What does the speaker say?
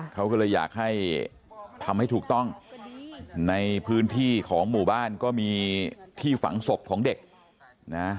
เขาก็เลยอยากให้ทำให้ถูกต้องในพื้นที่ของหมู่บ้านก็มีที่ฝังศพของเด็กนะ